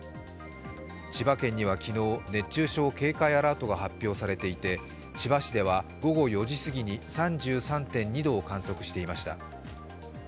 千葉県には昨日、熱中症警戒アラートが発表されていて、千葉市では午後４時過ぎに３３．２度を観測していました。